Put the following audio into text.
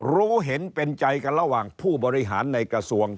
รู้เห็นเป็นใจกันระหว่างผู้บริหารในกระทรวง